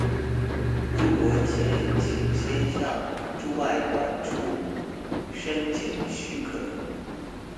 入國前請先向駐外館處申請許可